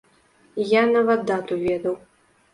Я нават дату ведаў.